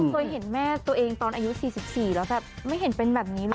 เคยเห็นแม่ตัวเองตอนอายุ๔๔แล้วแบบไม่เห็นเป็นแบบนี้เลย